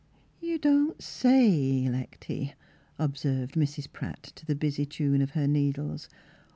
" You don't say, Lecty," observed Mrs. Pratt, to the busy tune of her needles.